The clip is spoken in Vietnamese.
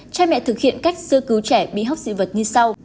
cha mẹ thực hiện cách sơ cứu trẻ bị hốc dị vật như sau